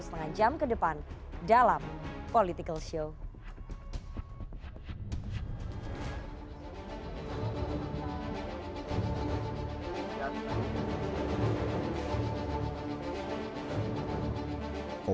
sampai jumpa ke depan dalam political show